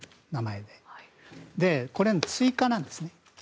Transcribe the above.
これの追加なんですね。